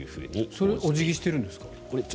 それはお辞儀しているんですか？